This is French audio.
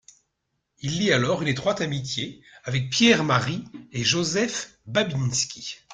Il lie alors une étroite amitié avec Pierre Marie et Joseph Babinski.